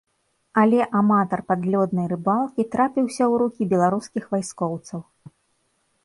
Але аматар падлёднай рыбалкі трапіўся ў рукі беларускіх вайскоўцаў.